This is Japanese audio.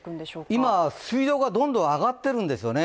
今は水温がどんどん上がっているんですね。